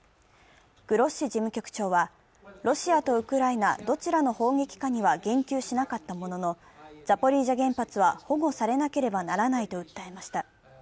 グロッシ事務局長はロシアとウクライナ、どちらの砲撃かには言及しなかったものの、ザポリージャ原発は保護されなければならないと訴えました。